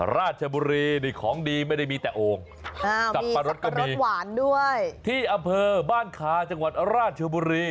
ราชบุรีนี่ของดีไม่ได้มีแต่โอ่งสับปะรดก็มีหวานด้วยที่อำเภอบ้านคาจังหวัดราชบุรี